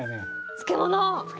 漬物。